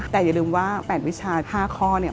แต่อย่าลืมว่า๘วิชา๕ข้อเนี่ย